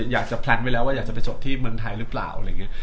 แพลนไว้แล้วว่าอยากจะไปจบที่เมืองไทยหรือเปล่าอะไรอย่างนี้